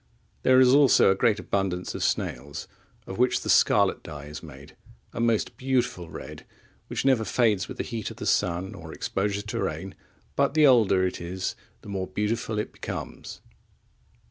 There is also a great abundance of snails, of which the scarlet dye is made, a most beautiful red, which never fades with the heat of the sun or exposure to rain, but the older it is, the more beautiful it becomes.